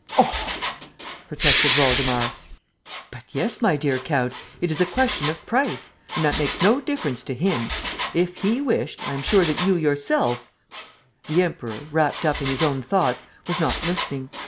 "Oh!" protested Waldemar. "But yes, my dear count, it is a question of price; and that makes no difference to 'him.' If 'he' wished, I am sure that you yourself ..." The Emperor, wrapped up in his own thoughts, was not listening.